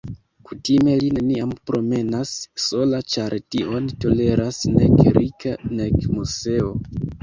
Kutime li neniam promenas sola, ĉar tion toleras nek Rika, nek Moseo.